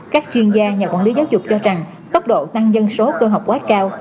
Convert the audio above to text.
các chuyên gia nhà quản lý giáo dục cho rằng tốc độ tăng dân số cơ học quá cao